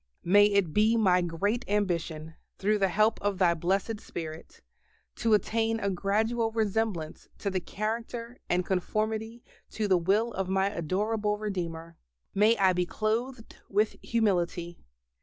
May it be my great ambition, through the help of Thy Blessed Spirit, to attain a gradual resemblance to the character and conformity to the will of my adorable Redeemer. May I be clothed with humility.